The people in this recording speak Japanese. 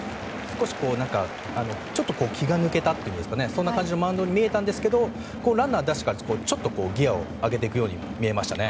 少しちょっと気が抜けたといいますかそんな感じのマウンドに見えましたがランナーを出してからはギアを上げていくように見えましたね。